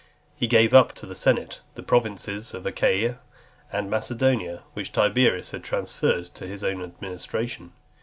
He gave up to the senate the provinces of Achaia and Macedonia, which Tiberius had transferred to his own administration.